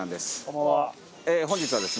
本日はですね